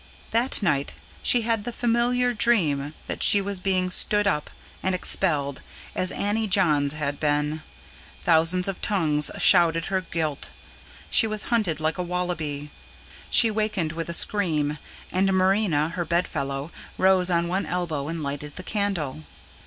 That night she had the familiar dream that she was being "stood up" and expelled, as Annie Johns had been: thousands of tongues shouted her guilt; she was hunted like a wallaby. She wakened with a scream, and Marina, her bedfellow, rose on one elbow and lighted the candle.